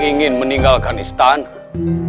ingin meninggalkan istana